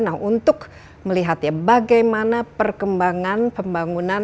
nah untuk melihat ya bagaimana perkembangan pembangunan